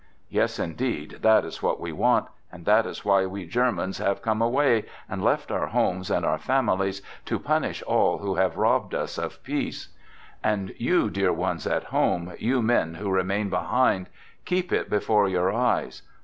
" Yes, indeed, that is what we want, and that is why we Germans have come away, and left our home and our families, to punish all who have robbed us of peace. And you dear ones at home, you men who remain behind, keep it before your eyes.